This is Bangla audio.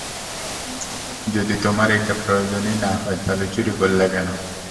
যদি তোমার এটা প্রয়োজনই না হয়, তাহলে চুরি করলা কেন?